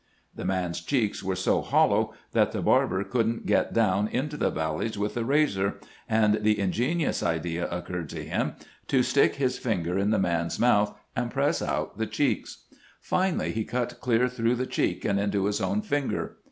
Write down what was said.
The man's cheeks were so hollow that the bar 408 CAMPAIGNING WITH GRANT ber could n't get down into the valleys with the razor, and the ingenious idea occurred to him to stick his fin ger in the man's mouth and press out the cheeks. Finally he cut clear through the cheek and into his own finger.